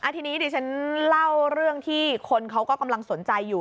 ทีนี้ดิฉันเล่าเรื่องที่คนเขาก็กำลังสนใจอยู่